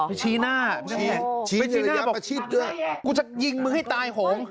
ไปชี้หน้าไปกูบอกกูจะยิงมือให้ตายโห้ง